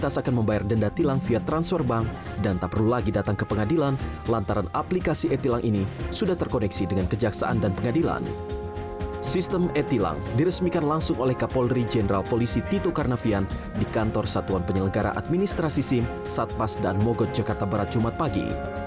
satuan penyelenggara administrasi sim satpas dan mogot jakarta barat jumat pagi